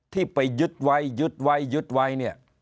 ที่ไปยึดไว้ยึดไว้ยึดไว้เนี่ย